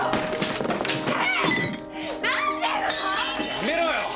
やめろよ！